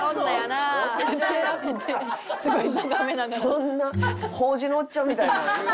そんな法事のおっちゃんみたいなん言うてた？